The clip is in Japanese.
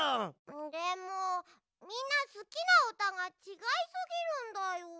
でもみんなすきなうたがちがいすぎるんだよ。